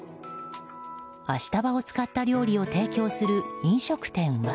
アシタバを使った料理を提供する飲食店は。